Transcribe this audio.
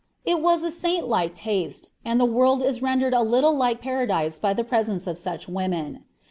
It was a saintlike taste, and the world is rendered a little like Paradise by the presence of such women.